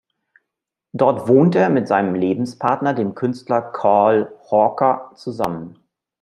Dort wohnte er mit seinem Lebenspartner, dem Künstler Karl Hawker, zusammen.